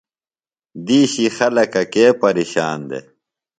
دِیشی خلکہ کے پیرِشان دےۡ ؟